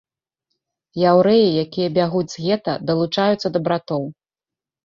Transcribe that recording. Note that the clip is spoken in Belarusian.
Яўрэі, якія бягуць з гета, далучаюцца да братоў.